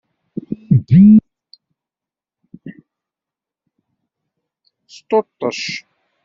Sṭuṭec.